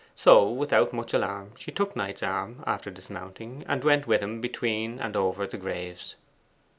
So without much alarm she took Knight's arm after dismounting, and went with him between and over the graves.